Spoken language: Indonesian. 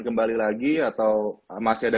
kembali lagi atau masih ada